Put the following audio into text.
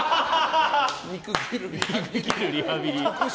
肉切るリハビリ。